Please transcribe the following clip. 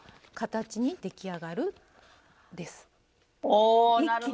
おおなるほど。